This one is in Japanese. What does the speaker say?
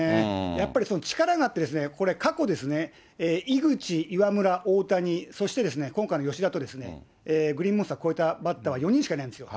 やっぱり力があって、これ、過去ですね、井口、岩村、大谷、そしてですね、今回の吉田とグリーンモンスター越えたバッターは４人しかいないんです。